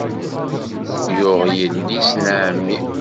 Yuɣ yelli-s n ɛemmi.